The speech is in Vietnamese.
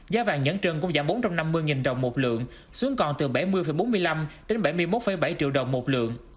giá vàng nhẫn trơn cũng giảm bốn trăm năm mươi đồng một lượng xuống còn từ bảy mươi bốn mươi năm đến bảy mươi một bảy triệu đồng một lượng